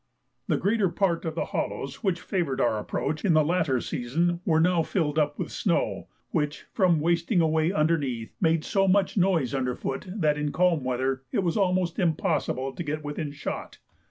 The greater part of the hollows which favoured our approach in the latter season were now filled up with snow, which, from wasting away underneath, made so much noise under foot that in calm weather it was almost impossible to get within shot.